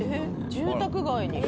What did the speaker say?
住宅街に。